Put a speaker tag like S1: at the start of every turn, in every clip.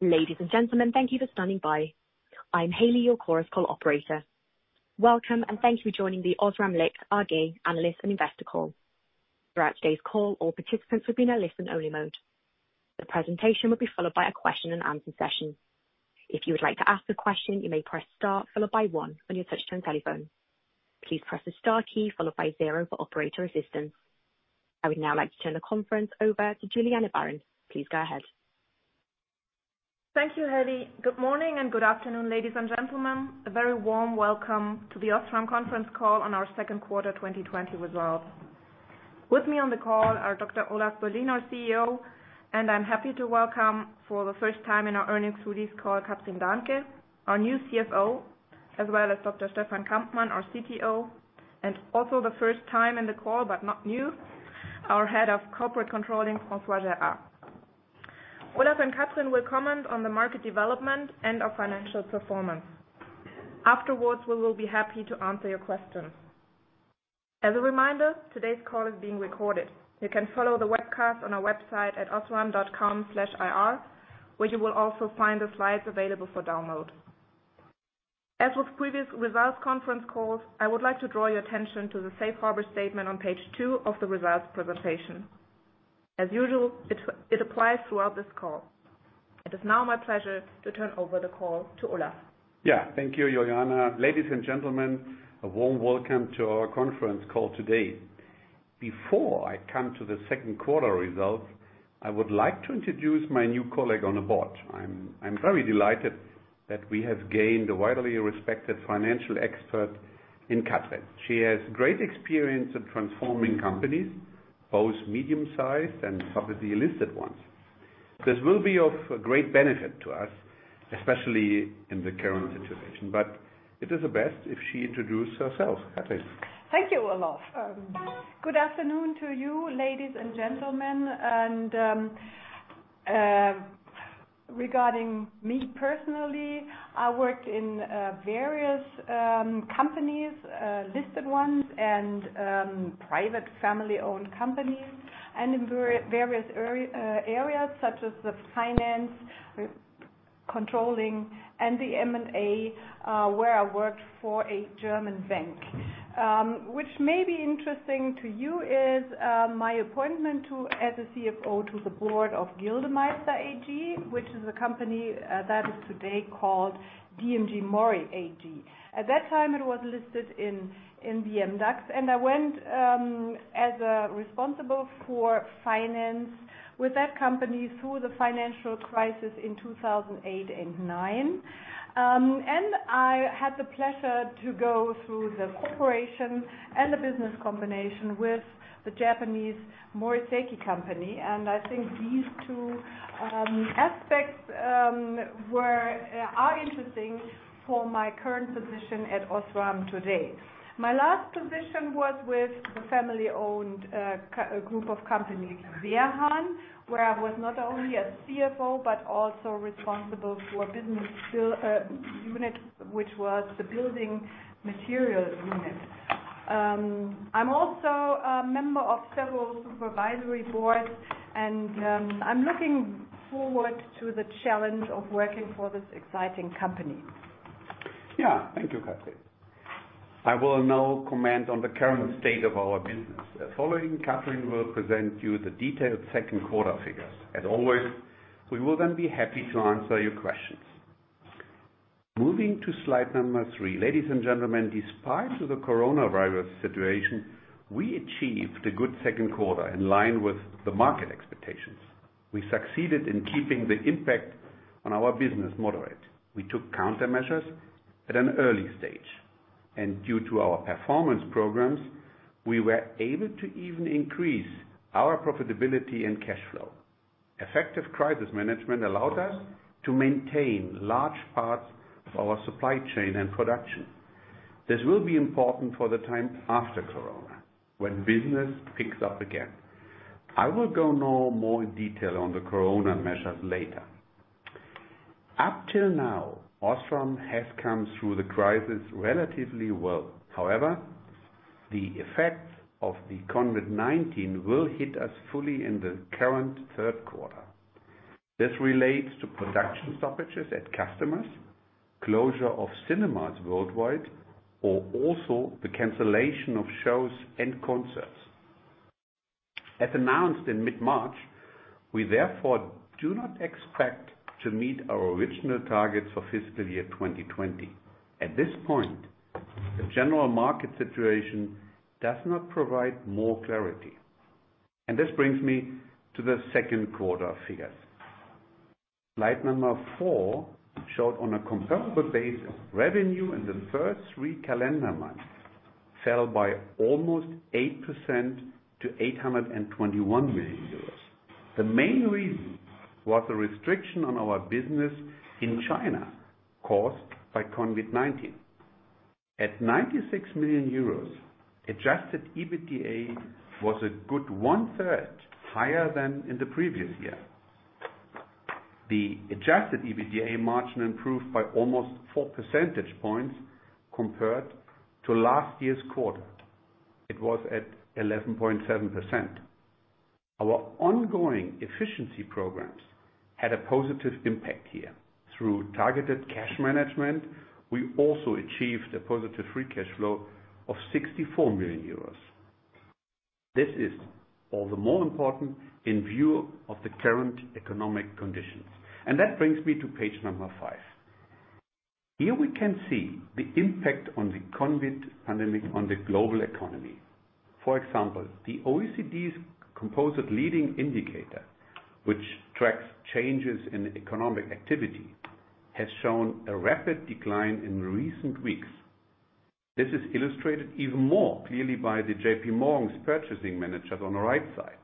S1: Ladies and gentlemen, thank you for standing by. I'm Hailey, your chorus call operator. Welcome and thank you for joining the OSRAM Licht AG analyst and investor call. Throughout today's call, all participants will be in a listen-only mode. The presentation will be followed by a question and answer session. If you would like to ask a question, you may press star followed by one on your touch-tone telephone. Please press the star key followed by zero for operator assistance. I would now like to turn the conference over to Juliana Baron. Please go ahead.
S2: Thank you, Hailey. Good morning and good afternoon, ladies and gentlemen. A very warm welcome to the OSRAM conference call on our second quarter 2020 results. With me on the call are Dr. Olaf Berlien, our CEO, and I'm happy to welcome for the first time in our earnings release call, Kathrin Dahnke, our new CFO, as well as Dr. Stefan Kampmann, our CTO, and also the first time in the call but not new, our Head of Corporate Controlling, François Gérard. Olaf and Kathrin will comment on the market development and our financial performance. Afterwards, we will be happy to answer your questions. As a reminder, today's call is being recorded. You can follow the webcast on our website at osram.com/ir, where you will also find the slides available for download. As with previous results conference calls, I would like to draw your attention to the safe harbor statement on page two of the results presentation. As usual, it applies throughout this call. It is now my pleasure to turn over the call to Olaf.
S3: Thank you, Juliana. Ladies and gentlemen, a warm welcome to our conference call today. Before I come to the second quarter results, I would like to introduce my new colleague on the board. I'm very delighted that we have gained a widely respected financial expert in Kathrin. She has great experience in transforming companies, both medium-sized and publicly listed ones. This will be of great benefit to us, especially in the current situation. It is best if she introduces herself. Kathrin.
S4: Thank you, Olaf. Good afternoon to you, ladies and gentlemen. Regarding me personally, I worked in various companies, listed ones and private family-owned companies, and in various areas such as the finance, controlling, and the M&A, where I worked for a German bank. Which may be interesting to you is my appointment as a CFO to the board of Gildemeister AG, which is a company that is today called DMG MORI AG. At that time, it was listed in the MDAX, and I went as responsible for finance with that company through the financial crisis in 2008 and 2009. I had the pleasure to go through the corporation and the business combination with the Japanese Mori Seiki Company. I think these two aspects are interesting for my current position at OSRAM today. My last position was with the family-owned group of companies, Werhahn, where I was not only a CFO but also responsible for a business unit, which was the building material unit. I'm also a member of several supervisory boards, and I'm looking forward to the challenge of working for this exciting company.
S3: Yeah. Thank you, Kathrin. I will now comment on the current state of our business. Following, Kathrin will present you the detailed second quarter figures. As always, we will then be happy to answer your questions. Moving to slide number three. Ladies and gentlemen, despite the coronavirus situation, we achieved a good second quarter in line with the market expectations. We succeeded in keeping the impact on our business moderate. We took countermeasures at an early stage, and due to our performance programs, we were able to even increase our profitability and cash flow. Effective crisis management allowed us to maintain large parts of our supply chain and production. This will be important for the time after Corona, when business picks up again. I will go now more in detail on the Corona measures later. Up till now, OSRAM has come through the crisis relatively well. However, the effects of the COVID-19 will hit us fully in the current third quarter. This relates to production stoppages at customers, closure of cinemas worldwide, or also the cancellation of shows and concerts. As announced in mid-March, we therefore do not expect to meet our original targets for fiscal year 2020. At this point, the general market situation does not provide more clarity. This brings me to the second quarter figures. Slide number four showed on a comparable basis, revenue in the first three calendar months fell by almost 8% to 821 million euros. The main reason was the restriction on our business in China caused by COVID-19. At 96 million euros, adjusted EBITDA was a good one third higher than in the previous year. The adjusted EBITDA margin improved by almost four percentage points compared to last year's quarter. It was at 11.7%. Our ongoing efficiency programs had a positive impact here. Through targeted cash management, we also achieved a positive free cash flow of 64 million euros. This is all the more important in view of the current economic conditions. That brings me to page number five. Here we can see the impact on the COVID-19 pandemic on the global economy. For example, the OECD's composite leading indicator, which tracks changes in economic activity, has shown a rapid decline in recent weeks. This is illustrated even more clearly by the JPMorgan's purchasing managers on the right side.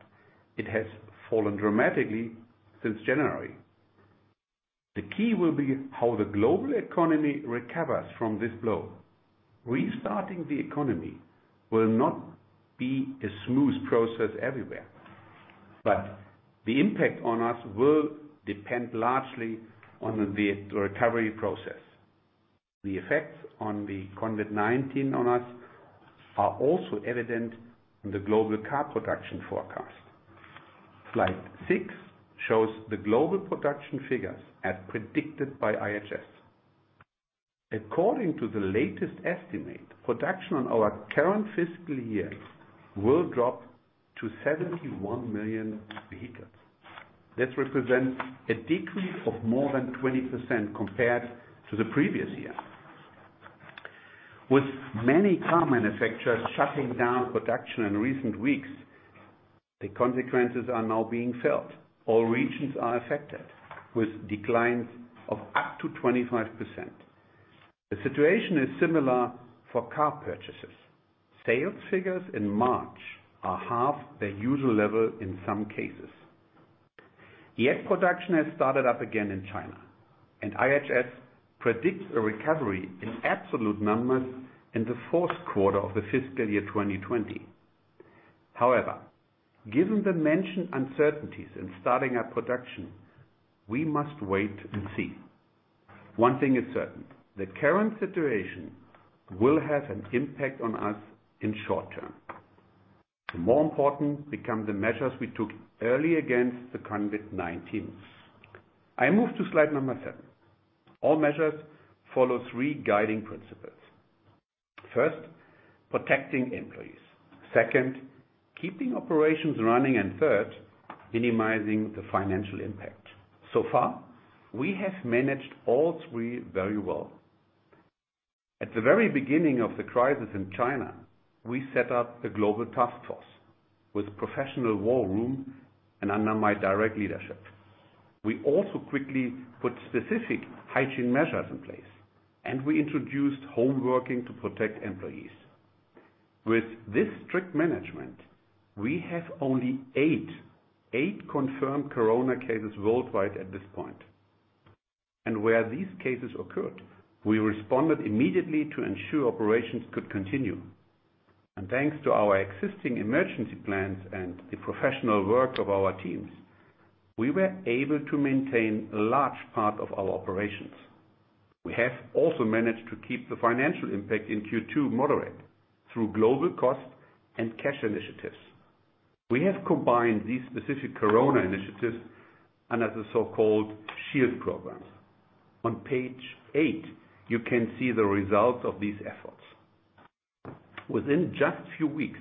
S3: It has fallen dramatically since January. The key will be how the global economy recovers from this blow. Restarting the economy will not be a smooth process everywhere, but the impact on us will depend largely on the recovery process. The effects on the COVID-19 on us are also evident in the global car production forecast. Slide six shows the global production figures as predicted by IHS. According to the latest estimate, production on our current fiscal year will drop to 71 million vehicles. This represents a decrease of more than 20% compared to the previous year. With many car manufacturers shutting down production in recent weeks, the consequences are now being felt. All regions are affected, with declines of up to 25%. The situation is similar for car purchases. Sales figures in March are half their usual level, in some cases. Yet production has started up again in China, and IHS predicts a recovery in absolute numbers in the fourth quarter of the fiscal year 2020. However, given the mentioned uncertainties in starting up production, we must wait and see. One thing is certain, the current situation will have an impact on us in short term. More important become the measures we took early against the COVID-19. I move to slide number seven. All measures follow three guiding principles. First, protecting employees. Second, keeping operations running, and third, minimizing the financial impact. Far, we have managed all three very well. At the very beginning of the crisis in China, we set up a global task force with a professional war room and under my direct leadership. We also quickly put specific hygiene measures in place, and we introduced home working to protect employees. With this strict management, we have only eight confirmed COVID-19 cases worldwide at this point. Where these cases occurred, we responded immediately to ensure operations could continue. Thanks to our existing emergency plans and the professional work of our teams, we were able to maintain a large part of our operations. We have also managed to keep the financial impact in Q2 moderate through global cost and cash initiatives. We have combined these specific COVID-19 initiatives under the so-called SHIELD programs. On page eight, you can see the results of these efforts. Within just few weeks,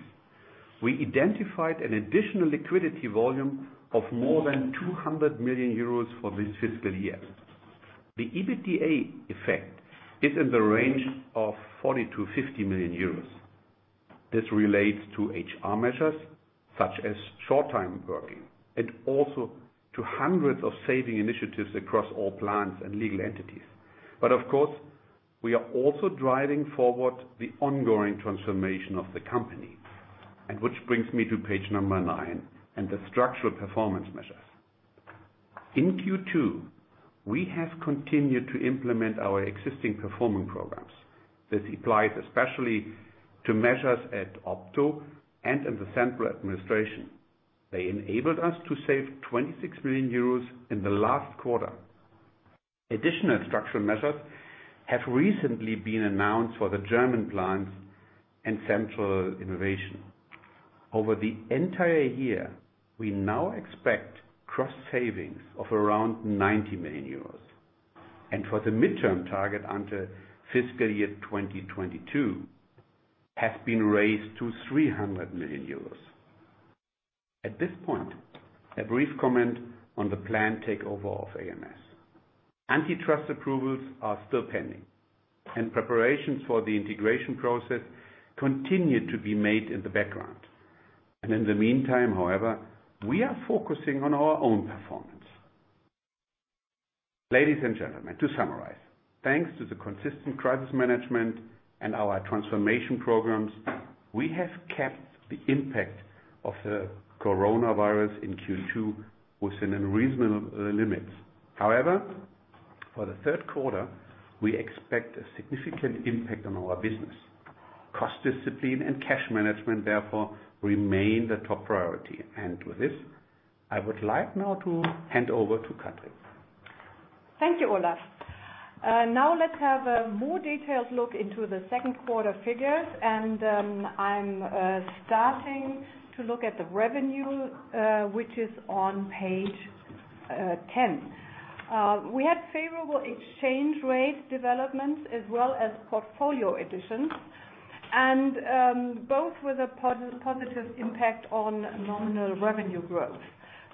S3: we identified an additional liquidity volume of more than 200 million euros for this fiscal year. The EBITDA effect is in the range of 40 million-50 million euros. This relates to HR measures such as short time working, and also to hundreds of saving initiatives across all plants and legal entities. Of course, we are also driving forward the ongoing transformation of the company, which brings me to page number nine and the structural performance measures. In Q2, we have continued to implement our existing performance programs. This applies especially to measures at Opto and in the central administration. They enabled us to save 26 million euros in the last quarter. Additional structural measures have recently been announced for the German plants and central innovation. Over the entire year, we now expect cross savings of around 90 million euros, and for the midterm target under fiscal year 2022 has been raised to 300 million euros. At this point, a brief comment on the planned takeover of ams. Antitrust approvals are still pending, and preparations for the integration process continue to be made in the background. In the meantime, however, we are focusing on our own performance. Ladies and gentlemen, to summarize, thanks to the consistent crisis management and our transformation programs we have kept the impact of COVID-19 in Q2 within reasonable limits. However, for the third quarter, we expect a significant impact on our business. Cost discipline and cash management therefore remain the top priority. With this, I would like now to hand over to Kathrin.
S4: Thank you, Olaf. Let's have a more detailed look into the second quarter figures, and I'm starting to look at the revenue, which is on page 10. We had favorable exchange rate developments as well as portfolio additions, both with a positive impact on nominal revenue growth.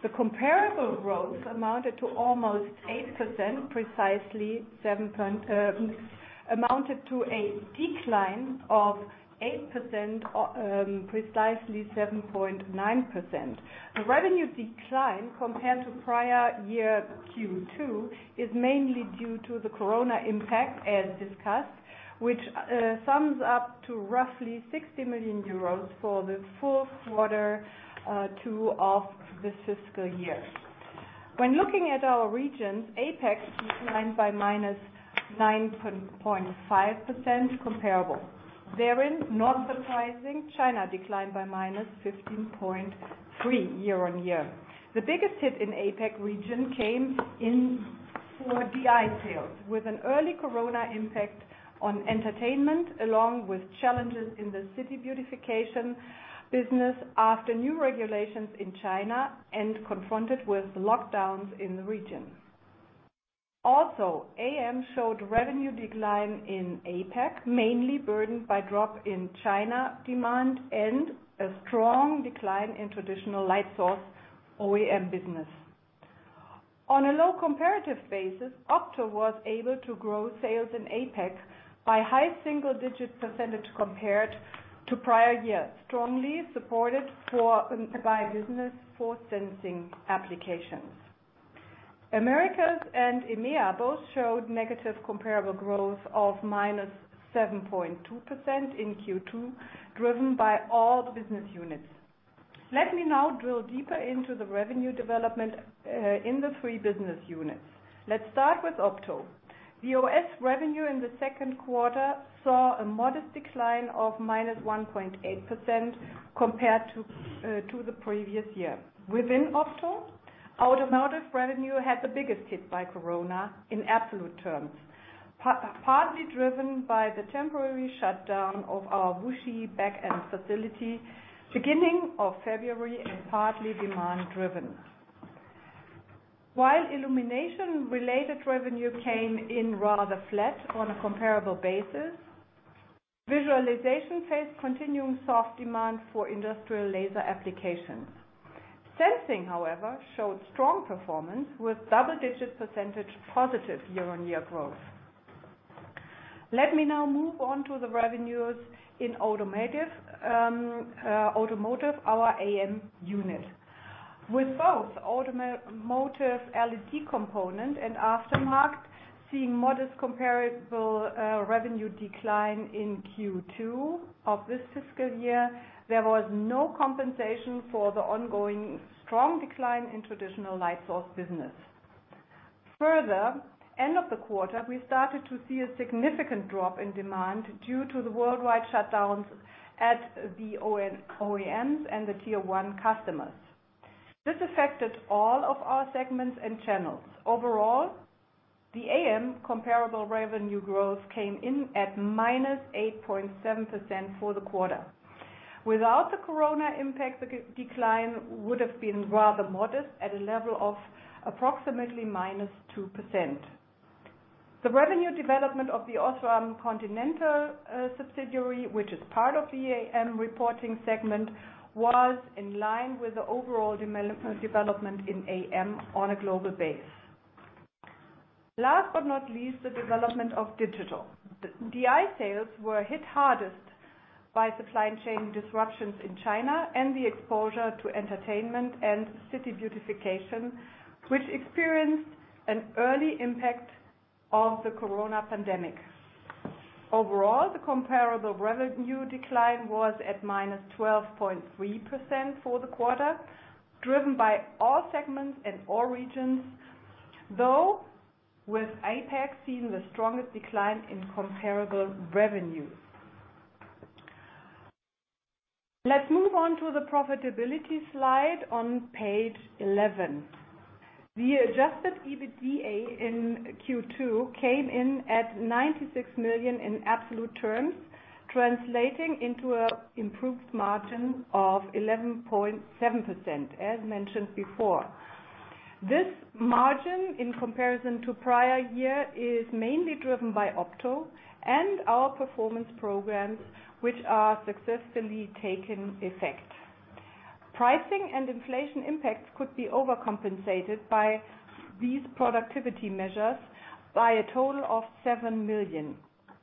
S4: The comparable growth amounted to a decline of 8%, precisely 7.9%. The revenue decline compared to prior year Q2 is mainly due to the corona impact as discussed, which sums up to roughly 60 million euros for the full quarter two of this fiscal year. When looking at our regions, APAC declined by -9.5% comparable. Therein, not surprising, China declined by -15.3% year-on-year. The biggest hit in APAC region came in for DI sales, with an early corona impact on entertainment, along with challenges in the city beautification business after new regulations in China and confronted with lockdowns in the region. AM showed revenue decline in APAC, mainly burdened by drop in China demand and a strong decline in traditional light source OEM business. On a low comparative basis, Opto was able to grow sales in APAC by high single-digit percentage compared to prior year, strongly supported by business for sensing applications. Americas and EMEA both showed negative comparable growth of -7.2% in Q2, driven by all the business units. Let me now drill deeper into the revenue development in the three business units. Let's start with Opto. The OS revenue in the second quarter saw a modest decline of -1.8% compared to the previous year. Within Opto, automotive revenue had the biggest hit by COVID-19 in absolute terms, partly driven by the temporary shutdown of our Wuxi backend facility beginning of February and partly demand driven. While illumination-related revenue came in rather flat on a comparable basis, visualization faced continuing soft demand for industrial laser applications. Sensing, however, showed strong performance with double-digit percentage positive year-on-year growth. Let me now move on to the revenues in automotive, our AM unit. With both automotive LED component and aftermarket seeing modest comparable revenue decline in Q2 of this fiscal year, there was no compensation for the ongoing strong decline in traditional light source business. Further, end of the quarter, we started to see a significant drop in demand due to the worldwide shutdowns at the OEMs and the Tier 1 customers. This affected all of our segments and channels. Overall, the AM comparable revenue growth came in at -8.7% for the quarter. Without the Corona impact, the decline would have been rather modest, at a level of approximately -2%. The revenue development of the OSRAM Continental subsidiary, which is part of the AM reporting segment, was in line with the overall development in AM on a global base. Last but not the least, the development of Digital. DI sales were hit hardest by supply chain disruptions in China and the exposure to entertainment and city beautification, which experienced an early impact of the COVID-19 pandemic. Overall, the comparable revenue decline was at -12.3% for the quarter, driven by all segments and all regions, though, with APAC seeing the strongest decline in comparable revenues. Let's move on to the profitability slide on page 11. The adjusted EBITDA in Q2 came in at 96 million in absolute terms, translating into an improved margin of 11.7%, as mentioned before. This margin, in comparison to prior year, is mainly driven by Opto and our performance programs, which are successfully taking effect. Pricing and inflation impacts could be overcompensated by these productivity measures by a total of 7 million.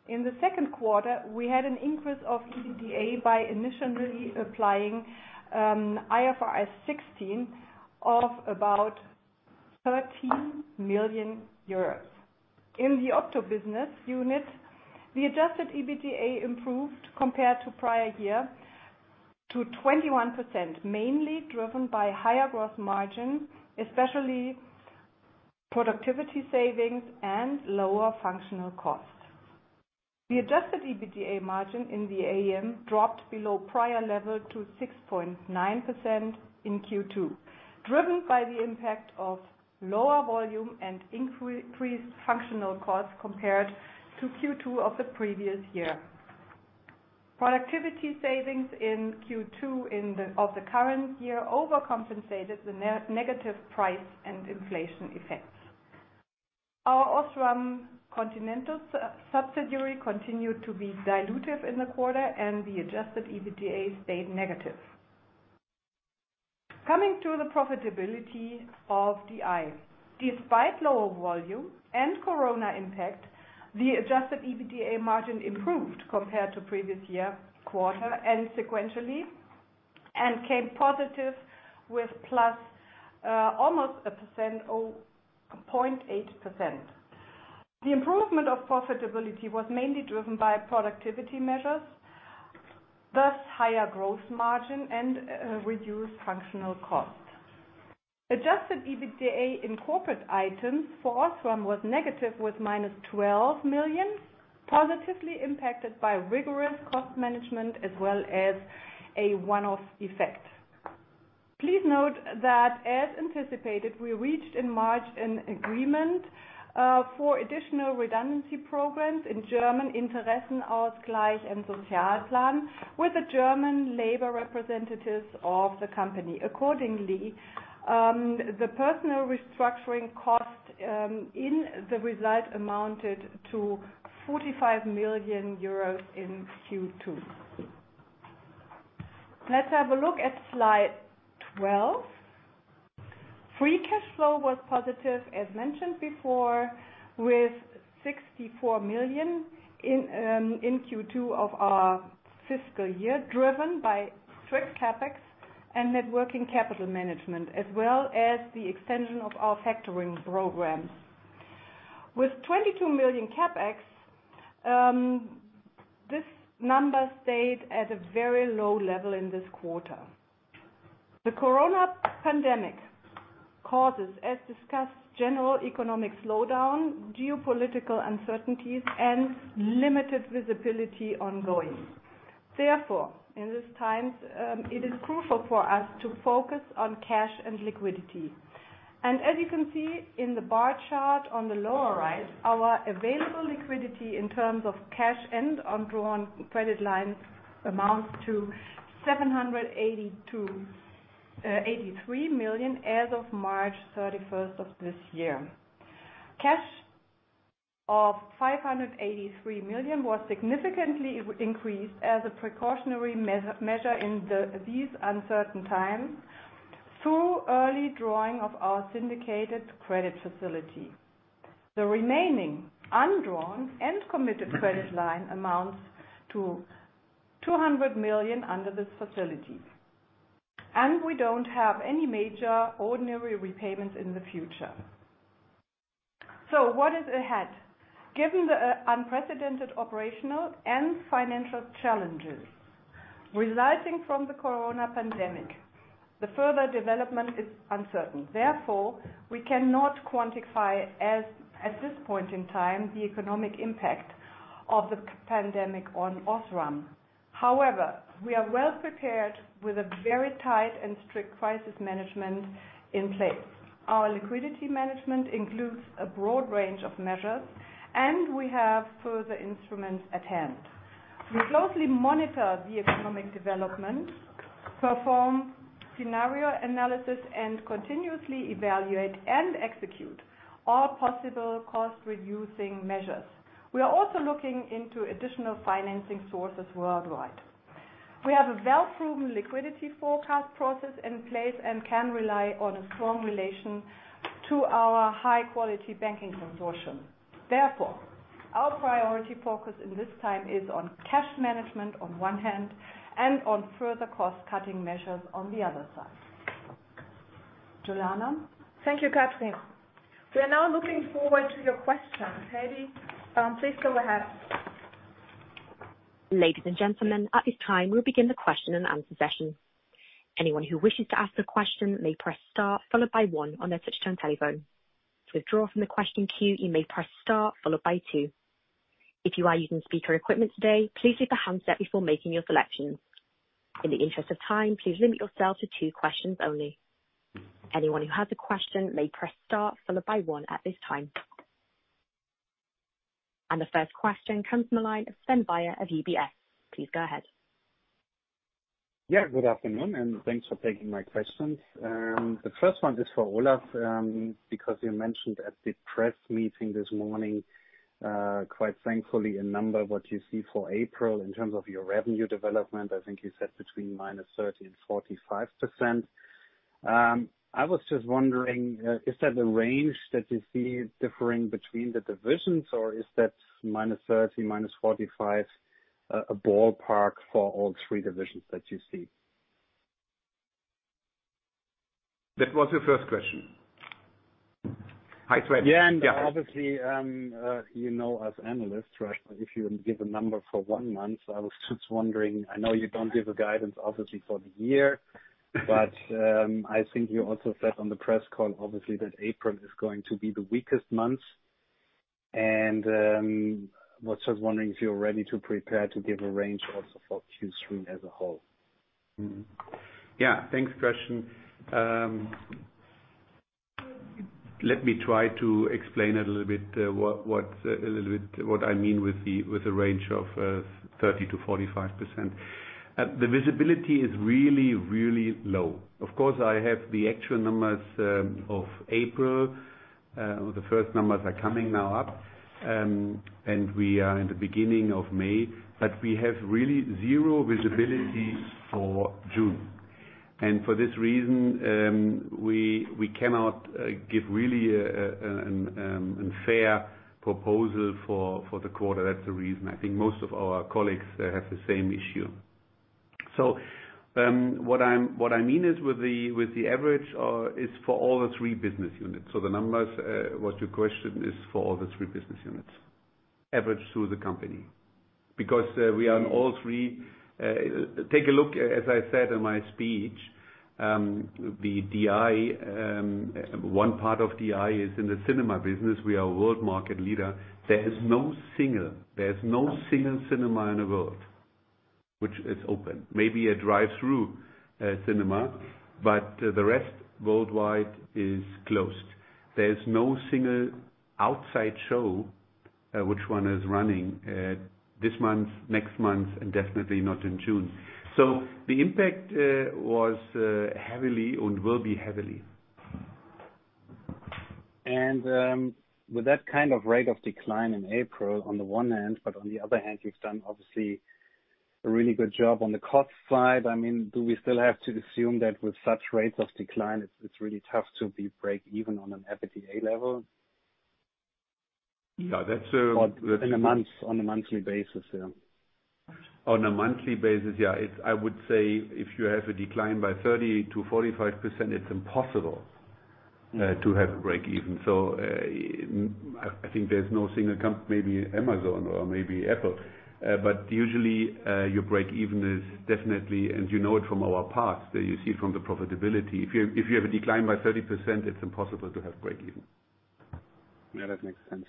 S4: In the second quarter, we had an increase of EBITDA by initially applying IFRS 16 of about 30 million euros. In the Opto business unit, the adjusted EBITDA improved compared to prior year to 21%, mainly driven by higher growth margin, especially productivity savings and lower functional costs. The adjusted EBITDA margin in the AM dropped below prior level to 6.9% in Q2, driven by the impact of lower volume and increased functional costs compared to Q2 of the previous year. Productivity savings in Q2 of the current year over-compensated the negative price and inflation effects. Our OSRAM Continental subsidiary continued to be dilutive in the quarter, and the adjusted EBITDA stayed negative. Coming to the profitability of the DI. Despite lower volume and corona impact, the adjusted EBITDA margin improved compared to previous year quarter and sequentially, came positive with plus almost a percent, 0.8%. The improvement of profitability was mainly driven by productivity measures, thus higher gross margin and reduced functional costs. Adjusted EBITDA in corporate items for OSRAM was negative, with -12 million, positively impacted by rigorous cost management as well as a one-off effect. Please note that as anticipated, we reached in March an agreement for additional redundancy programs in German, Interessenausgleich und Sozialplan, with the German labor representatives of the company. Accordingly, the personnel restructuring cost in the result amounted to 45 million euros in Q2. Let's have a look at slide 12. Free cash flow was positive, as mentioned before, with 64 million in Q2 of our fiscal year, driven by strict CapEx and net working capital management, as well as the extension of our factoring programs. With 22 million CapEx, this number stayed at a very low level in this quarter. The COVID-19 pandemic causes, as discussed, general economic slowdown, geopolitical uncertainties, and limited visibility ongoing. Therefore, in these times, it is crucial for us to focus on cash and liquidity. As you can see in the bar chart on the lower right, our available liquidity in terms of cash and undrawn credit lines amounts to 783 million as of March 31st of this year. Cash of 583 million was significantly increased as a precautionary measure in these uncertain times through early drawing of our syndicated credit facility. The remaining undrawn and committed credit line amounts to 200 million under this facility, and we don't have any major ordinary repayments in the future. What is ahead? Given the unprecedented operational and financial challenges resulting from the COVID-19 pandemic, the further development is uncertain. Therefore, we cannot quantify, at this point in time, the economic impact of the pandemic on OSRAM. However, we are well prepared with a very tight and strict crisis management in place. Our liquidity management includes a broad range of measures, and we have further instruments at hand. We closely monitor the economic development, perform scenario analysis, and continuously evaluate and execute all possible cost-reducing measures. We are also looking into additional financing sources worldwide. We have a well-proven liquidity forecast process in place and can rely on a strong relation to our high-quality banking consortium. Therefore, our priority focus in this time is on cash management on one hand and on further cost-cutting measures on the other side. Juliana?
S2: Thank you, Kathrin. We are now looking forward to your questions. Hailey, please go ahead.
S1: Ladies and gentlemen, at this time, we'll begin the question and answer session. Anyone who wishes to ask a question may press star followed by one on their touch-tone telephone. To withdraw from the question queue, you may press star followed by two. If you are using speaker equipment today, please leave a handset before making your selections. In the interest of time, please limit yourself to two questions only. Anyone who has a question may press star followed by one at this time. The first question comes from the line of Sven Weier of UBS. Please go ahead.
S5: Yeah, good afternoon, and thanks for taking my questions. The first one is for Olaf, because you mentioned at the press meeting this morning, quite thankfully, a number what you see for April in terms of your revenue development. I think you said between -30% and 45%. I was just wondering, is that the range that you see differing between the divisions, or is that -30%, -45% a ballpark for all three divisions that you see?
S3: That was your first question. Hi, Sven.
S5: Yeah. Obviously, you know as analysts, right, if you give a number for one month, I was just wondering, I know you don't give a guidance obviously for the year, but I think you also said on the press call, obviously, that April is going to be the weakest month. Was just wondering if you're ready to prepare to give a range also for Q3 as a whole?
S3: Yeah. Thanks for the question. Let me try to explain a little bit what I mean with the range of 30% to 45%. The visibility is really, really low. Of course, I have the actual numbers of April. The first numbers are coming now up, and we are in the beginning of May. We have really zero visibility for June. For this reason, we cannot give really a fair proposal for the quarter. That's the reason. I think most of our colleagues have the same issue. What I mean is with the average is for all the three business units. The numbers, what you questioned, is for all the three business units, average through the company. Because we are in all three. Take a look, as I said in my speech, the DI, one part of DI is in the cinema business. We are a world market leader. There is no single cinema in the world which is open. Maybe a drive-through cinema, but the rest worldwide is closed. There's no single outside show, which one is running this month, next month, and definitely not in June. The impact was heavily and will be heavily.
S5: With that kind of rate of decline in April on the one hand, but on the other hand, you've done obviously a really good job on the cost side. Do we still have to assume that with such rates of decline, it's really tough to be break even on an EBITDA level?
S3: Yeah.
S5: On a monthly basis, yeah.
S3: On a monthly basis, yeah. I would say if you have a decline by 30%-45%, it's impossible to have a break even. I think there's no single comp, maybe Amazon or maybe Apple. Usually, your break even is definitely, and you know it from our past, you see from the profitability. If you have a decline by 30%, it's impossible to have break even.
S5: Yeah, that makes sense.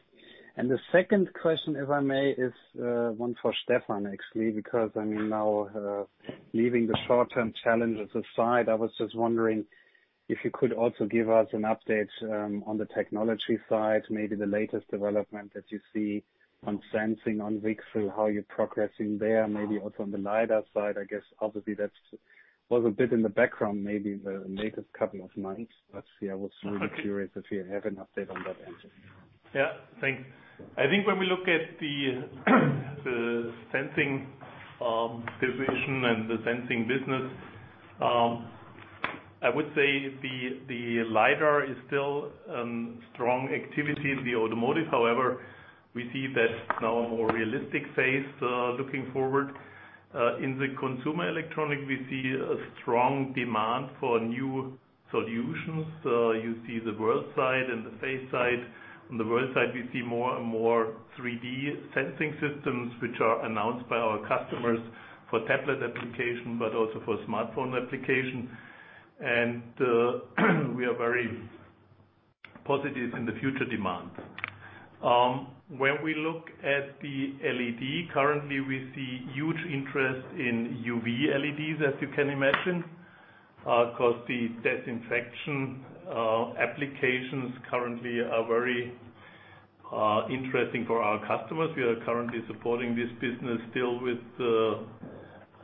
S5: The second question, if I may, is one for Stefan, actually, because now leaving the short-term challenges aside, I was just wondering if you could also give us an update on the technology side, maybe the latest development that you see on sensing, on VCSEL, how you're progressing there. Maybe also on the LiDAR side. I guess obviously that was a bit in the background, maybe the latest couple of months. Yeah, I was really curious if you have an update on that end.
S6: Yeah. Thanks. I think when we look at the sensing division and the sensing business, I would say the LiDAR is still strong activity in the automotive. However, we see that now a more realistic phase, looking forward. In the consumer electronic, we see a strong demand for new solutions. You see the world-facing side and the face-facing side. On the world-facing side, we see more and more 3D sensing systems, which are announced by our customers for tablet application, but also for smartphone application. We are very positive in the future demand. When we look at the LED, currently, we see huge interest in UV LEDs, as you can imagine. Because the disinfection applications currently are very interesting for our customers. We are currently supporting this business still with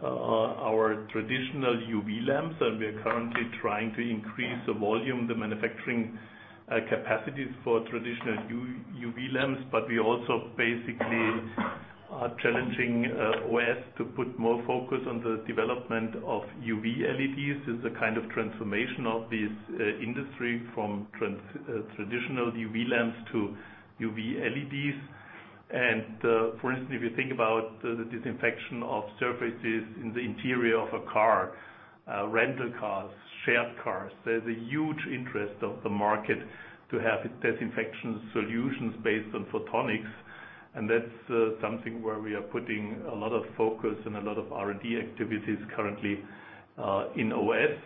S6: our traditional UV lamps, and we are currently trying to increase the volume, the manufacturing capacities for traditional UV lamps. We also basically are challenging OS to put more focus on the development of UV LEDs. It's a kind of transformation of this industry from traditional UV lamps to UV LEDs. For instance, if you think about the disinfection of surfaces in the interior of a car, rental cars, shared cars, there's a huge interest of the market to have disinfection solutions based on photonics. That's something where we are putting a lot of focus and a lot of R&D activities currently in OS.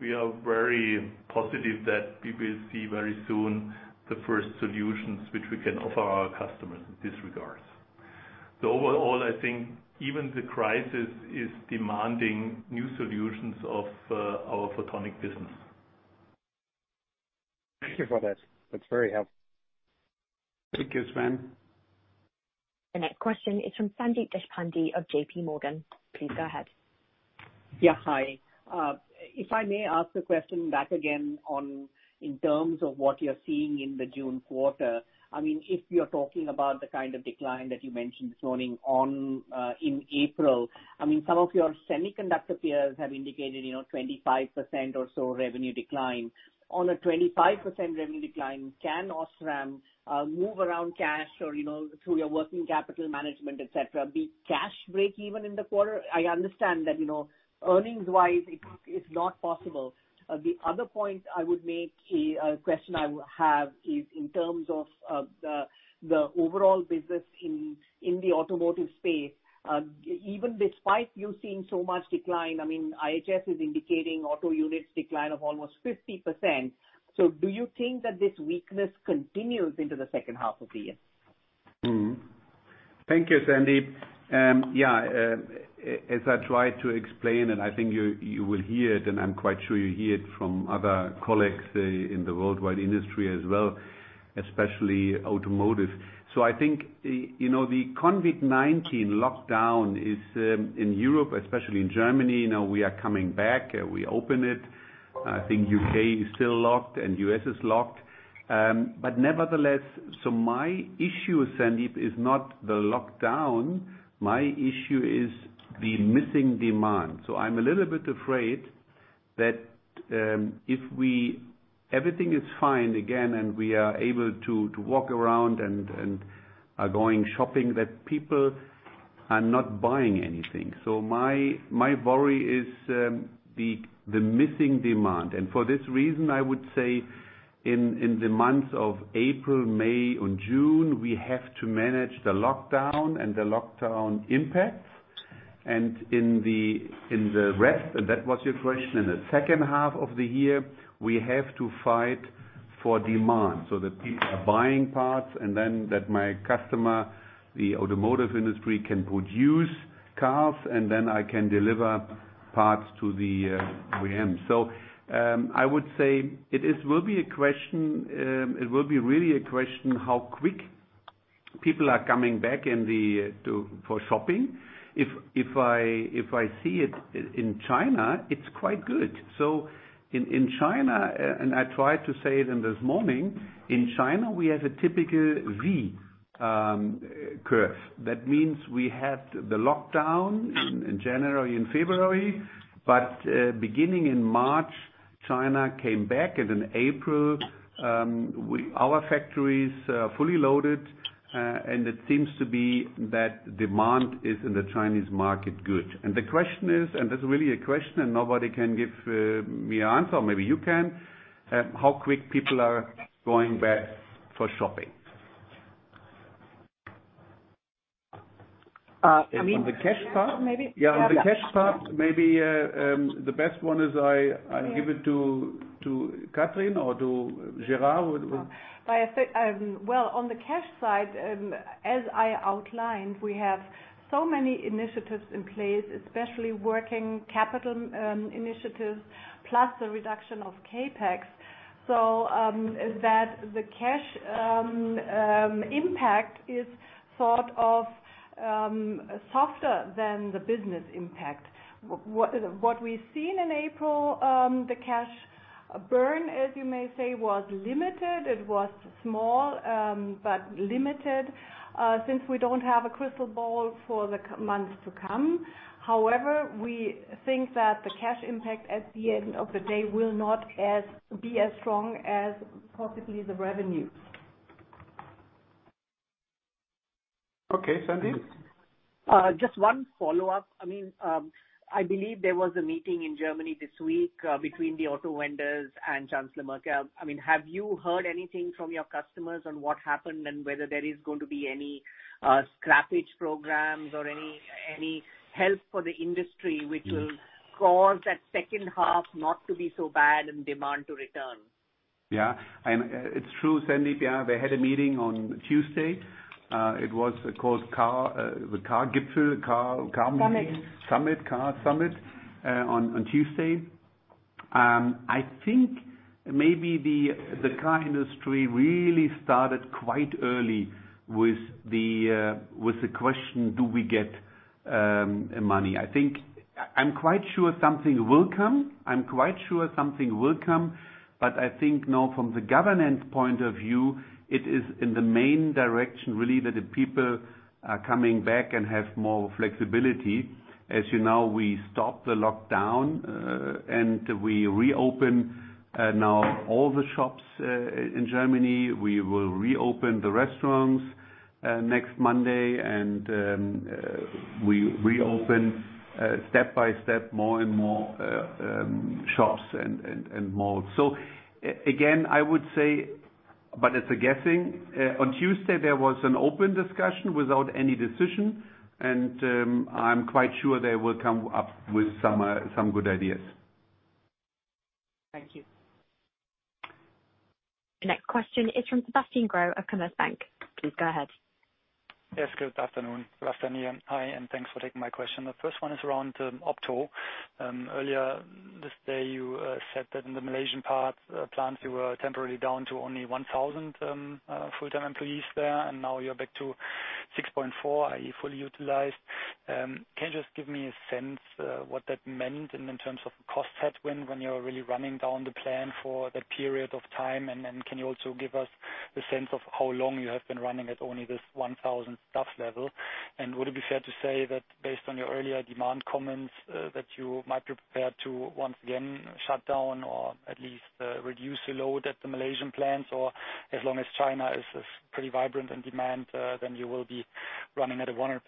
S6: We are very positive that we will see very soon the first solutions which we can offer our customers in this regard. Overall, I think even the crisis is demanding new solutions of our photonic business.
S5: Thank you for that. That's very helpful.
S3: Thank you, Sven.
S1: The next question is from Sandeep Deshpande of JPMorgan. Please go ahead.
S7: Yeah. Hi. If I may ask the question back again on in terms of what you're seeing in the June quarter, if you're talking about the kind of decline that you mentioned this morning in April, some of your semiconductor peers have indicated 25% or so revenue decline. On a 25% revenue decline, can OSRAM move around cash or through your working capital management, et cetera, be cash break-even in the quarter? I understand that earnings-wise, it is not possible. The other point I would make, a question I have is in terms of the overall business in the automotive space. Even despite you seeing so much decline, IHS is indicating auto units decline of almost 50%. Do you think that this weakness continues into the second half of the year?
S3: Thank you, Sandeep. Yeah. As I tried to explain, and I think you will hear it, and I'm quite sure you hear it from other colleagues in the worldwide industry as well, especially automotive. I think, the COVID-19 lockdown is, in Europe, especially in Germany, now we are coming back. We open it. I think U.K. is still locked, and U.S. is locked. Nevertheless, my issue, Sandeep, is not the lockdown. My issue is the missing demand. I'm a little bit afraid that if everything is fine again, and we are able to walk around and are going shopping, that people are not buying anything. My worry is the missing demand. For this reason, I would say, in the months of April, May, and June, we have to manage the lockdown and the lockdown impact. In the rest, that was your question, in the second half of the year, we have to fight for demand so that people are buying parts, and then that my customer, the automotive industry, can produce cars, and then I can deliver parts to the OEMs. I would say it will be really a question how quick people are coming back for shopping. If I see it in China, it's quite good. In China, and I tried to say it this morning, in China, we have a typical V curve. That means we had the lockdown in January and February. Beginning in March, China came back, and in April, our factory is fully loaded. It seems to be that demand is in the Chinese market good. The question is, that's really a question, nobody can give me answer, or maybe you can, how quick people are going back for shopping.
S7: Sandeep-
S3: And the cash part-
S4: Maybe-
S3: Yeah, on the cash part, maybe the best one is I give it to Kathrin or to Gérard.
S4: On the cash side, as I outlined, we have so many initiatives in place, especially working capital initiatives, plus the reduction of CapEx, so that the cash impact is sort of softer than the business impact. What we've seen in April, the cash burn, as you may say, was limited. It was small, but limited. Since we don't have a crystal ball for the months to come. We think that the cash impact at the end of the day will not be as strong as possibly the revenue.
S3: Okay. Sandeep?
S7: Just one follow-up. I believe there was a meeting in Germany this week between the auto vendors and Chancellor Merkel. Have you heard anything from your customers on what happened and whether there is going to be any scrappage programs or any help for the industry which will cause that second half not to be so bad and demand to return?
S3: It's true, Sandeep. They had a meeting on Tuesday. It was called the car Autogipfel.
S4: Summit.
S3: Summit. Car Summit, on Tuesday. I think maybe the car industry really started quite early with the question, do we get money? I'm quite sure something will come. I think now from the governance point of view, it is in the main direction, really, that the people are coming back and have more flexibility. As you know, we stopped the lockdown. We reopen now all the shops in Germany. We will reopen the restaurants next Monday. We reopen step by step, more and more shops and malls. Again, I would say, but it's a guessing. On Tuesday, there was an open discussion without any decision. I'm quite sure they will come up with some good ideas.
S7: Thank you.
S1: The next question is from Sebastian Growe of Commerzbank. Please go ahead.
S8: Yes. Good afternoon. Hi, and thanks for taking my question. The first one is around Opto. Earlier this day, you said that in the Malaysian plants, you were temporarily down to only 1,000 full-time employees there, and now you're back to 6.4, are you fully utilized? Can you just give me a sense what that meant in terms of cost set when you're really running down the plant for that period of time? Then can you also give us the sense of how long you have been running at only this 1,000 staff level? Would it be fair to say that based on your earlier demand comments, that you might be prepared to once again shut down or at least reduce the load at the Malaysian plants? As long as China is pretty vibrant in demand, then you will be running at 100%?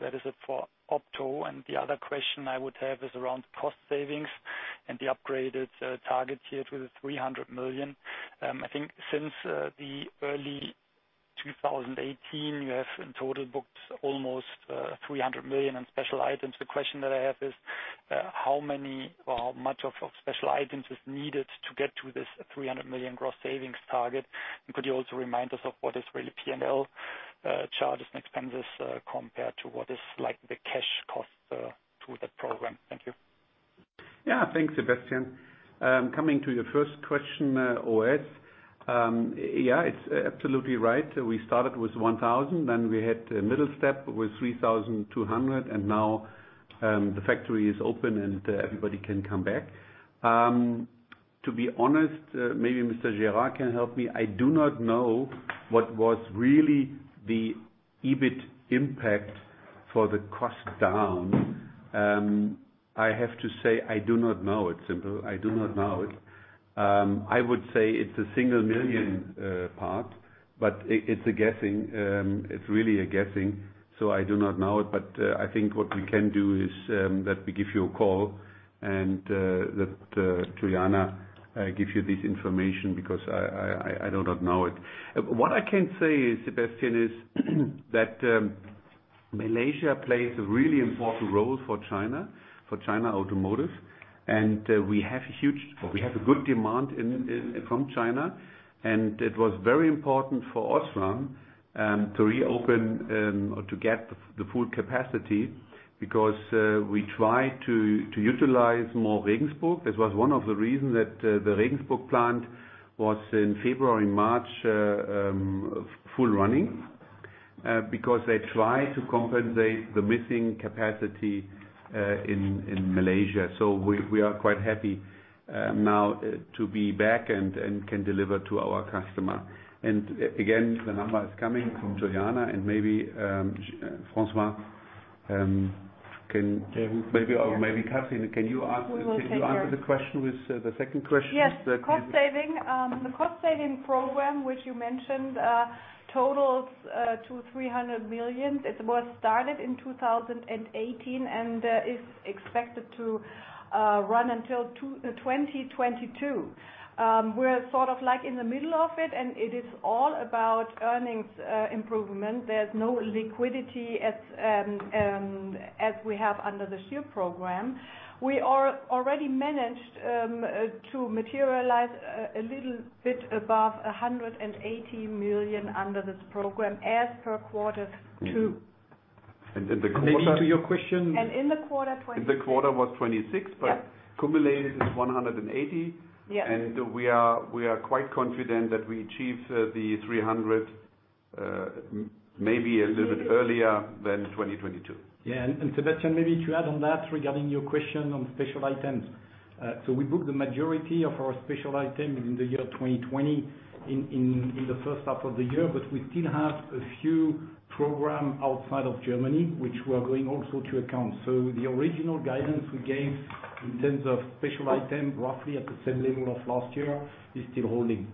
S8: That is it for Opto. The other question I would have is around cost savings and the upgraded target here to the 300 million. I think since the early 2018, you have in total booked almost 300 million in special items. The question that I have is, how much of special items is needed to get to this 300 million gross savings target? Could you also remind us of what is really P&L charges and expenses, compared to what is the cash cost to the program? Thank you.
S3: Thanks, Sebastian. Coming to your first question, OS. It's absolutely right. We started with 1,000, then we had a middle step with 3,200, and now the factory is open and everybody can come back. To be honest, maybe Mr. Gérard can help me. I do not know what was really the EBIT impact for the cost down. I have to say, I do not know. It's simple. I do not know it. I would say it's a single million part. It's a guessing. It's really a guessing, so I do not know it. I think what we can do is that we give you a call and that Juliana gives you this information, because I do not know it. What I can say, Sebastian, is that Malaysia plays a really important role for China Automotive. We have a good demand from China, and it was very important for OSRAM to reopen or to get the full capacity because we try to utilize more Regensburg. That was one of the reasons that the Regensburg plant was in February and March, fully running. Because they try to compensate the missing capacity in Malaysia. We are quite happy now to be back and can deliver to our customer. Again, the number is coming from Juliana and maybe François, can you answer the question with the second question?
S4: Yes. The cost-saving program, which you mentioned totals to 300 million. It was started in 2018 and is expected to run until 2022. We're sort of in the middle of it, and it is all about earnings improvement. There's no liquidity as we have under the SHIELD program. We are already managed to materialize a little bit above 180 million under this program as per quarter two.
S3: The quarter-
S8: Maybe to your question-
S4: In the quarter 26.
S3: The quarter was 26.
S4: Yep.
S3: Cumulated is 180.
S4: Yeah.
S3: We are quite confident that we achieve the 300, maybe a little bit earlier than 2022.
S9: Sebastian, maybe to add on that regarding your question on special items. We booked the majority of our special item in the 2020 in the first half of the year. We still have a few programs outside of Germany which were going also to account. The original guidance we gave in terms of special item, roughly at the same level of last year, is still holding.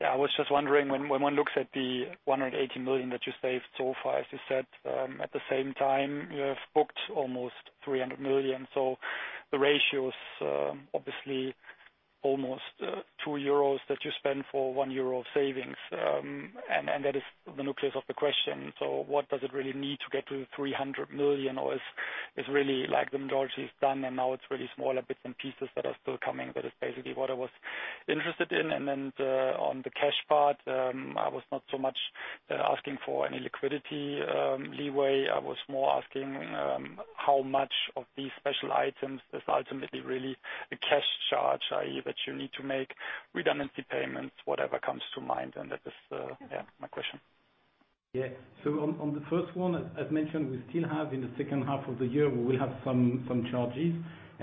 S8: Yeah. I was just wondering, when one looks at the 180 million that you saved so far, as you said. At the same time, you have booked almost 300 million. The ratio is obviously almost 2 euros that you spend for 1 euro of savings. That is the nucleus of the question. What does it really need to get to 300 million, or is really like the majority is done and now it's really smaller bits and pieces that are still coming? That is basically what I was interested in. On the cash part, I was not so much asking for any liquidity leeway. I was more asking how much of these special items is ultimately really a cash charge, i.e., that you need to make redundancy payments, whatever comes to mind. That is my question.
S9: Yeah. On the first one, as mentioned, we still have in the second half of the year, we will have some charges.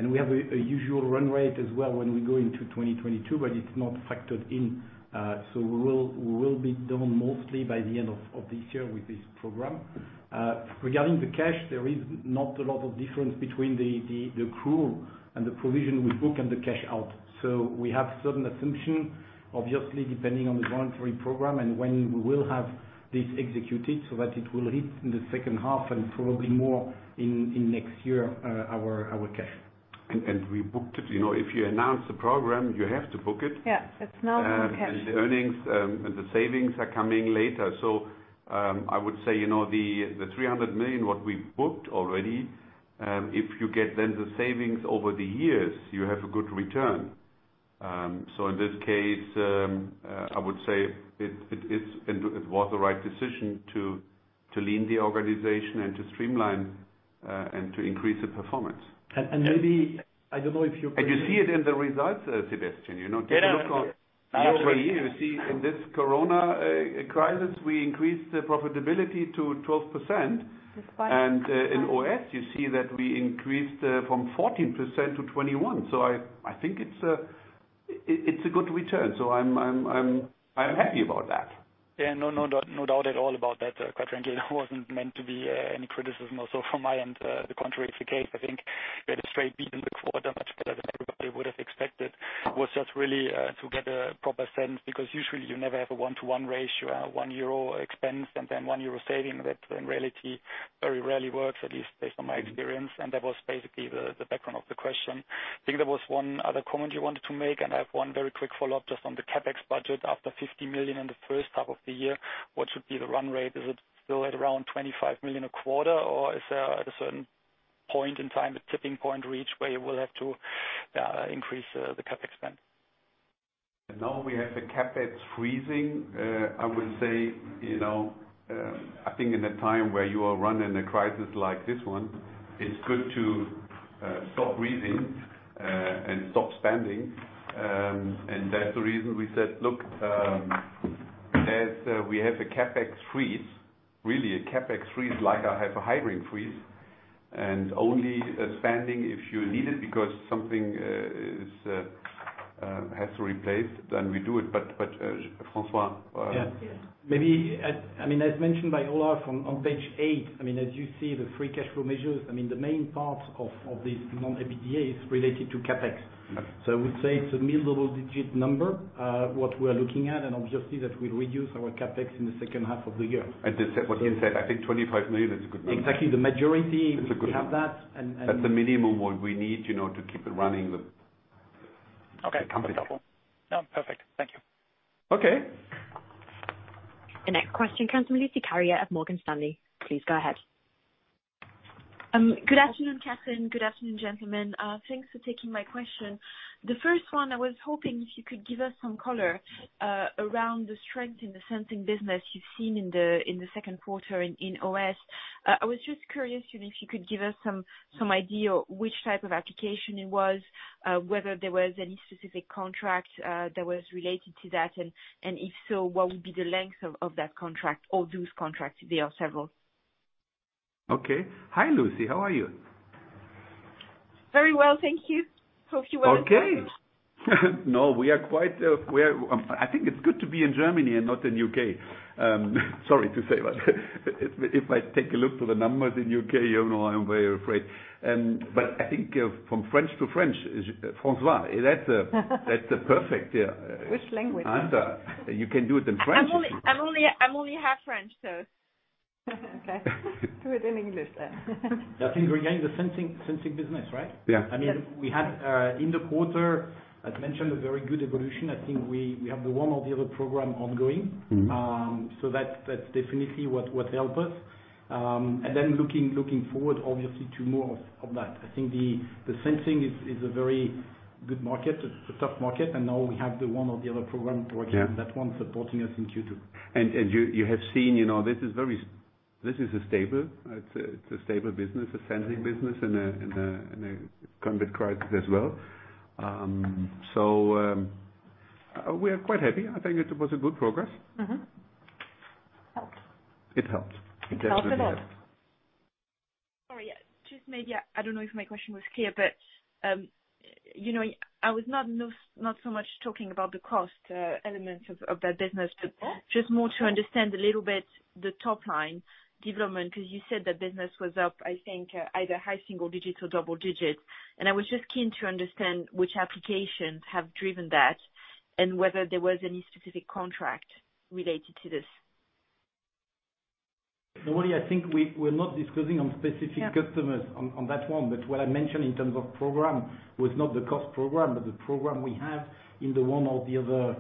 S9: We have a usual run rate as well when we go into 2022, but it's not factored in. We will be done mostly by the end of this year with this program. Regarding the cash, there is not a lot of difference between the accrual and the provision we book and the cash out. We have certain assumption, obviously, depending on the voluntary program and when we will have this executed so that it will hit in the second half and probably more in next year, our cash.
S3: We booked it. If you announce the program, you have to book it.
S4: Yeah. It's now in the cash.
S3: The earnings and the savings are coming later. I would say, the 300 million, what we booked already, if you get then the savings over the years, you have a good return. In this case, I would say it was the right decision to lean the organization and to streamline, and to increase the performance.
S9: Maybe, I don't know.
S3: You see it in the results, Sebastian. Take a look on year-over-year, you see in this corona crisis, we increased the profitability to 12%.
S4: That's right.
S3: In OS, you see that we increased from 14% to 21%. I think it's a good return, so I'm happy about that.
S8: Yeah. No doubt at all about that, Kathrin. That wasn't meant to be any criticism also from my end. The contrary is the case. I think we had a straight beat in the quarter, much better than everybody would've expected, was just really to get a proper sense. Because usually you never have a one-to-one ratio, one EUR expense and then one EUR saving. That, in reality, very rarely works, at least based on my experience. That was basically the background of the question. I think there was one other comment you wanted to make, and I have one very quick follow-up just on the CapEx budget. After 50 million in the first half of the year, what should be the run rate? Is it still at around 25 million a quarter, or is there at a certain point in time, a tipping point reached, where you will have to increase the CapEx spend?
S3: Now we have a CapEx freezing. I would say, I think in a time where you are running a crisis like this one, it's good to stop freezing and stop spending. That's the reason we said, look, as we have a CapEx freeze, really a CapEx freeze, like I have a hiring freeze, and only spending if you need it because something has to replace, then we do it. François.
S9: Yeah. Maybe, as mentioned by Olaf, on page eight, as you see the free cash flow measures, the main part of this non-EBITDA is related to CapEx.
S3: Yes.
S9: I would say it's a mid-level digit number, what we're looking at, and obviously that will reduce our CapEx in the second half of the year.
S3: As what Sebastian said, I think 25 million is a good number.
S9: Exactly.
S3: It's a good number.
S9: we have that.
S3: That's the minimum, what we need to keep it running the-
S8: Okay.
S3: The company.
S8: That's helpful. No. Perfect. Thank you.
S3: Okay.
S1: The next question comes from Lucie Carrier of Morgan Stanley. Please go ahead.
S10: Good afternoon, Kathrin. Good afternoon, gentlemen. Thanks for taking my question. The first one, I was hoping if you could give us some color around the strength in the sensing business you've seen in the second quarter in OS. I was just curious if you could give us some idea which type of application it was, whether there was any specific contract that was related to that, and if so, what would be the length of that contract or those contracts, if there are several?
S3: Okay. Hi, Lucie. How are you?
S10: Very well, thank you. Hope you well as well.
S3: Okay. No, we are quite I think it's good to be in Germany and not in the U.K. Sorry to say, if I take a look to the numbers in the U.K., you know I'm very afraid. I think from French to French, François, that's perfect. Yeah.
S2: Which language?
S3: You can do it in French.
S10: I'm only half French, so.
S2: Okay. Do it in English then.
S9: I think we're getting the sensing business, right?
S3: Yeah.
S2: Yes.
S9: We had, in the quarter, as mentioned, a very good evolution. I think we have the one or the other program ongoing. That's definitely what helped us. Looking forward obviously to more of that. I think the sensing is a very good market. It's a tough market, and now we have the one or the other program-
S3: Yeah.
S9: To actually that one supporting us in Q2.
S3: You have seen, this is a stable business, the sensing business, in a current crisis as well. We are quite happy. I think it was a good progress.
S2: Helped.
S3: It helped.
S2: It helped a lot.
S10: Sorry. Just maybe, I don't know if my question was clear, but I was not so much talking about the cost elements of that business, but just more to understand a little bit the top line development, because you said the business was up, I think, either high single digits or double digits, and I was just keen to understand which applications have driven that and whether there was any specific contract related to this.
S9: No worry. I think we're not disclosing on specific customers on that one. What I mentioned in terms of program was not the cost program, but the program we have in the one or the other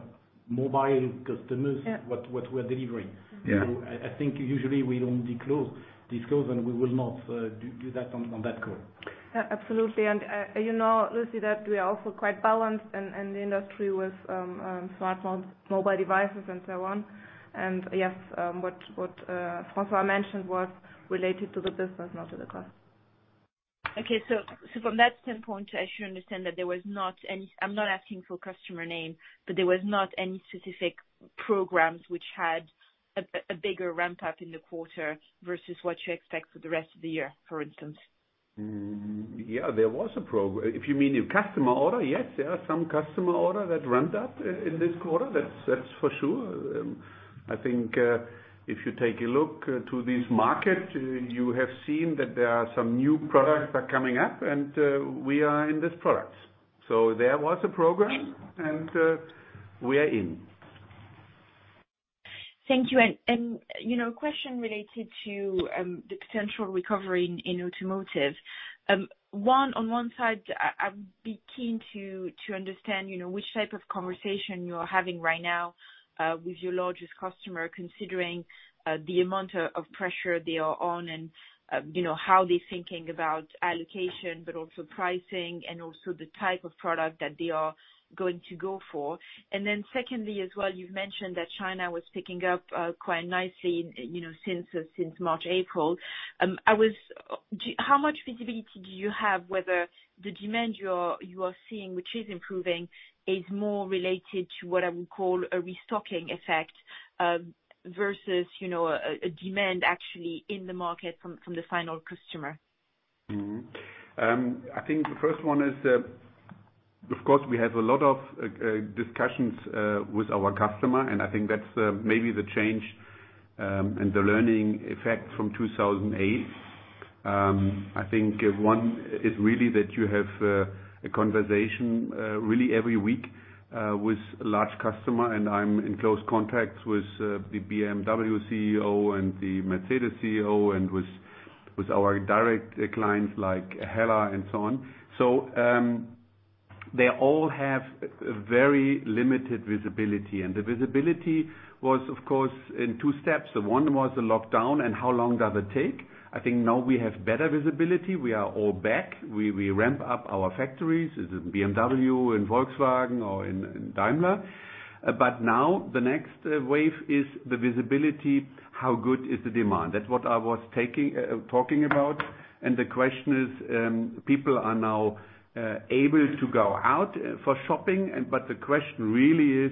S9: mobile customers.
S10: Yeah
S9: What we're delivering.
S3: Yeah.
S9: I think usually we don't disclose, and we will not do that on that call.
S2: Absolutely. You know, Lucie, that we are also quite balanced in the industry with smartphones, mobile devices, and so on. Yes, what François mentioned was related to the business, not to the cost.
S10: Okay. From that standpoint, I should understand that I'm not asking for customer name, but there was not any specific programs which had a bigger ramp-up in the quarter versus what you expect for the rest of the year, for instance?
S3: Yeah. There was a program. If you mean in customer order, yes, there are some customer order that ramped up in this quarter, that's for sure. I think if you take a look to this market, you have seen that there are some new products that are coming up, and we are in these products. There was a program, and we are in.
S10: Thank you. A question related to the potential recovery in automotive. On one side, I'd be keen to understand which type of conversation you're having right now with your largest customer, considering the amount of pressure they are on and how they're thinking about allocation, but also pricing and also the type of product that they are going to go for. Secondly as well, you've mentioned that China was picking up quite nicely since March, April. How much visibility do you have whether the demand you are seeing, which is improving, is more related to what I would call a restocking effect versus a demand actually in the market from the final customer?
S3: I think the first one is, of course, we have a lot of discussions with our customer, and I think that's maybe the change and the learning effect from 2008. I think one is really that you have a conversation really every week with a large customer, and I'm in close contact with the BMW CEO and the Mercedes CEO and with our direct clients like Hella and so on. They all have very limited visibility. The visibility was, of course, in two steps. One was the lockdown and how long does it take? I think now we have better visibility. We are all back. We ramp up our factories, is it BMW and Volkswagen or in Daimler. Now the next wave is the visibility, how good is the demand? That's what I was talking about. The question is, people are now able to go out for shopping, the question really is,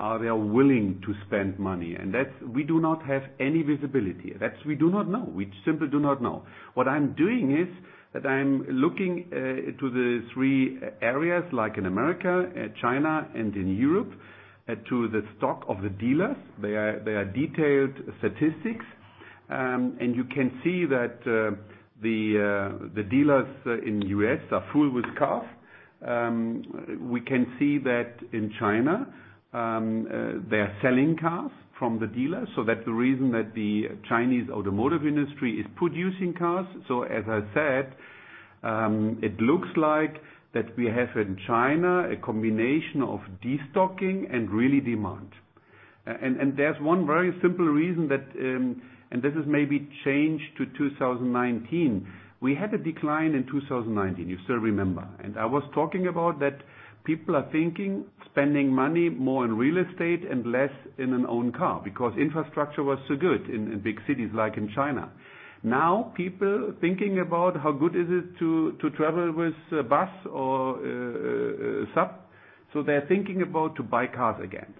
S3: are they willing to spend money? That, we do not have any visibility. That we do not know. We simply do not know. What I'm doing is that I'm looking to the three areas, like in the U.S., China, and in Europe, to the stock of the dealers. They are detailed statistics. You can see that the dealers in the U.S. are full with cars. We can see that in China, they are selling cars from the dealers. That's the reason that the Chinese automotive industry is producing cars. As I said, it looks like that we have in China a combination of destocking and really demand. There's one very simple reason that. This is maybe change to 2019. We had a decline in 2019. You still remember. I was talking about that people are thinking spending money more on real estate and less in an owned car because infrastructure was so good in big cities like in China. Now people thinking about how good is it to travel with bus or sub. They're thinking about to buy cars again.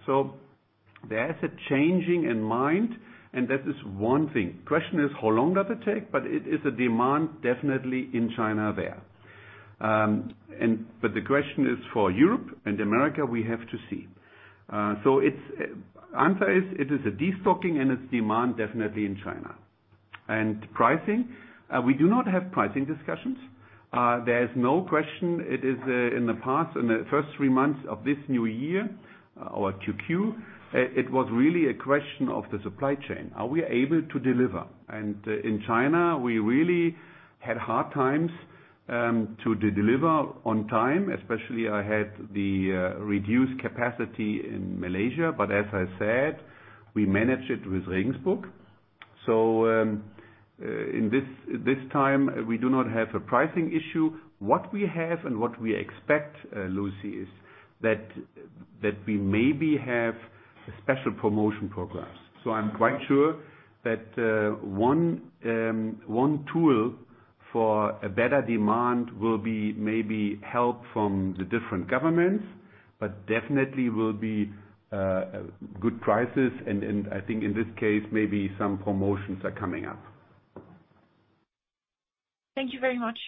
S3: There is a changing in mind, and that is one thing. Question is, how long does it take? It is a demand definitely in China there. The question is for Europe and America, we have to see. Answer is, it is a destocking and it's demand definitely in China. Pricing, we do not have pricing discussions. There is no question. It is in the past, in the first three months of this new year, our 2Q, it was really a question of the supply chain. Are we able to deliver? In China, we really had hard times to deliver on time, especially I had the reduced capacity in Malaysia. As I said, we managed it with Regensburg. In this time, we do not have a pricing issue. What we have and what we expect, Lucie, is that we maybe have special promotion programs. I'm quite sure that one tool for a better demand will be maybe help from the different governments, but definitely will be good prices, and I think in this case, maybe some promotions are coming up.
S10: Thank you very much.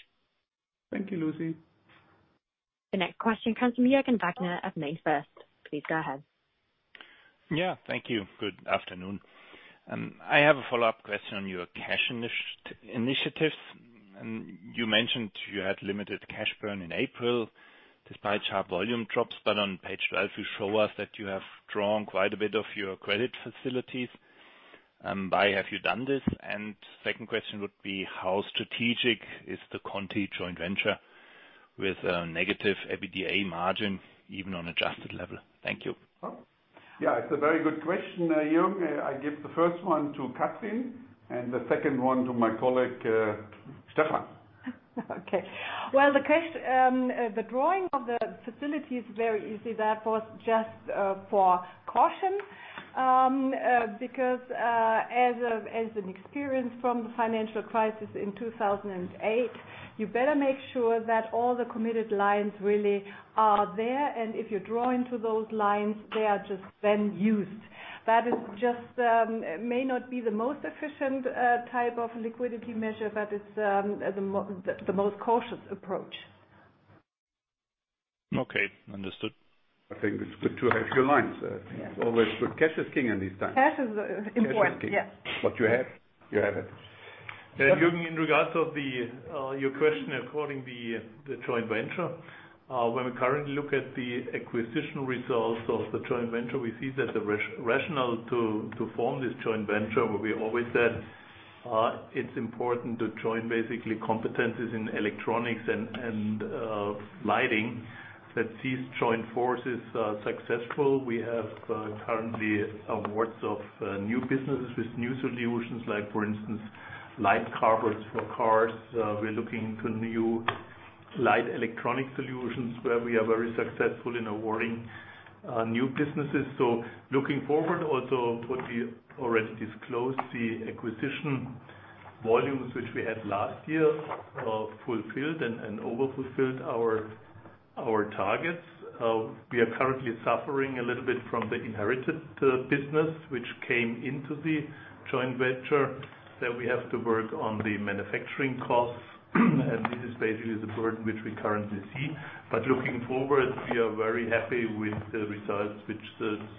S3: Thank you, Lucie.
S1: The next question comes from Jürgen Wagner of MainFirst. Please go ahead.
S11: Yeah, thank you. Good afternoon. I have a follow-up question on your cash initiatives. You mentioned you had limited cash burn in April despite sharp volume drops, but on page 12, you show us that you have drawn quite a bit of your credit facilities. Why have you done this? Second question would be, how strategic is the Conti joint venture with a negative EBITDA margin, even on adjusted level? Thank you.
S3: Yeah, it's a very good question, Jürgen. I give the first one to Kathrin and the second one to my colleague, Stefan.
S4: Okay. Well, the drawing of the facility is very easy. That was just for caution. As an experience from the financial crisis in 2008, you better make sure that all the committed lines really are there. If you draw into those lines, they are just then used. That may not be the most efficient type of liquidity measure, but it's the most cautious approach.
S11: Okay, understood.
S3: I think it's good to have your lines.
S4: Yeah.
S3: It's always good. Cash is king in these times.
S4: Cash is important, yeah.
S3: What you have, you have it.
S6: Jürgen, in regards of your question according the joint venture. When we currently look at the acquisition results of the joint venture, we see that the rationale to form this joint venture, where we always said it's important to join basically competencies in electronics and lighting, that these joint forces are successful. We have currently awards of new businesses with new solutions like, for instance, light carpets for cars. We're looking to new light electronic solutions where we are very successful in awarding new businesses. Looking forward also what we already disclosed, the acquisition volumes which we had last year fulfilled and overfulfilled our targets. We are currently suffering a little bit from the inherited business which came into the joint venture that we have to work on the manufacturing costs, this is basically the burden which we currently see. Looking forward, we are very happy with the results which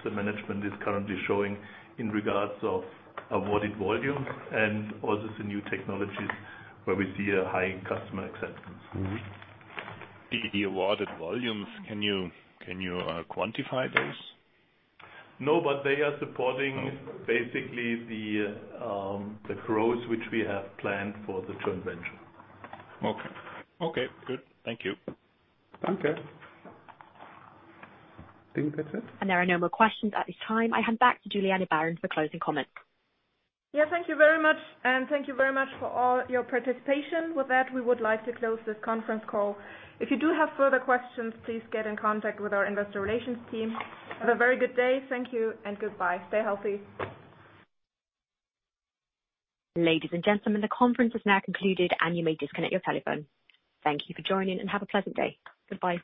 S6: the management is currently showing in regards of awarded volumes and also the new technologies where we see a high customer acceptance.
S11: Mm-hmm. The awarded volumes, can you quantify those?
S6: They are supporting basically the growth which we have planned for the joint venture.
S11: Okay. Good. Thank you.
S6: Okay.
S2: I think that's it.
S1: There are no more questions at this time. I hand back to Juliana Baron for closing comments.
S2: Yeah. Thank you very much. Thank you very much for all your participation. With that, we would like to close this conference call. If you do have further questions, please get in contact with our investor relations team. Have a very good day. Thank you and goodbye. Stay healthy.
S1: Ladies and gentlemen, the conference is now concluded and you may disconnect your telephone. Thank you for joining and have a pleasant day. Goodbye.